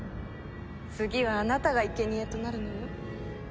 次はあなたが生け贄となるのよ。